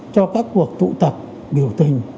cho các cuộc tụ tập biểu tình